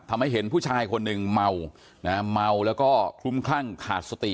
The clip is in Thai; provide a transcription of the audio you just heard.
ทำให้เห็นผู้ชายคนหนึ่งเมานะฮะเมาแล้วก็คลุ้มคลั่งขาดสติ